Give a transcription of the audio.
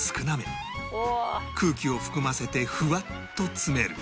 空気を含ませてふわっと詰める。